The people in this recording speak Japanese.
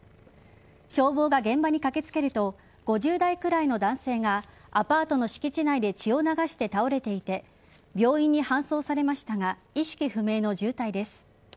消防が現場に駆けつけると５０代くらいの男性がアパートの敷地内で血を流して倒れていて病院に搬送されましたが意識不明の重体です。